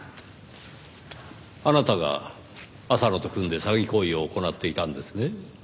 あなたが浅野と組んで詐欺行為を行っていたんですね。